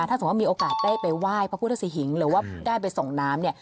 ถ้าสมมุติมีโอกาสได้ไปไหว้พระพุทธศรีหิงหรือว่าได้ไปส่งน้ำเนี่ย